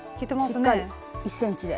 しっかり１ｃｍで。